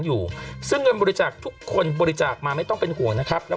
อยู่ซึ่งเงินบริจาคทุกคนบริจาคมาไม่ต้องเป็นห่วงนะครับแล้ว